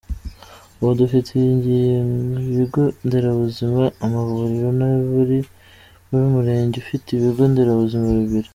Ubu dufite ibigo nderabuzima, amavuriro, nibura buri murenge ufite ibigo nderabuzima bibiri.